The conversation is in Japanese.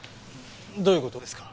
どういう事ですか？